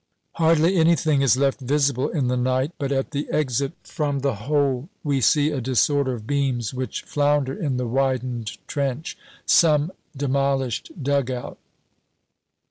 Hardly anything is left visible in the night, but at the exit from the hole we see a disorder of beams which flounder in the widened trench some demolished dugout.